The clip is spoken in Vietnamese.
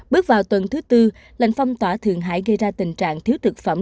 bước vào tuần thứ tư lệnh phong tỏa thượng hải gây ra tình trạng thiếu thực phẩm